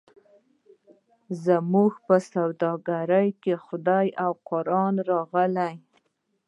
زموږ په سوداګرۍ کې خدای او قران راغی.